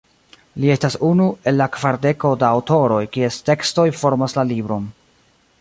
Li estas unu el la kvardeko da aŭtoroj, kies tekstoj formas la libron.